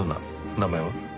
名前は？